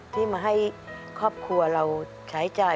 ที่มาให้ครอบครัวเราใช้จ่าย